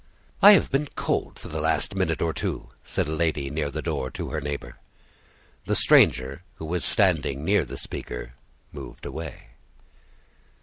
"I have been cold for the last minute or two," said a lady near the door to her neighbor. The stranger, who was standing near the speaker, moved away.